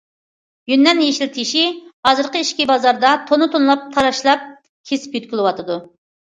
يۈننەن يېشىل تېشى ھازىرقى ئىچكى بازاردا توننا- توننىلاپ تاراشلاپ كېسىپ يۆتكىلىۋاتىدۇ.